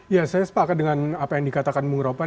ya saya sepakat dengan apa yang dikatakan bung ropan